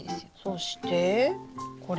そしてこれは？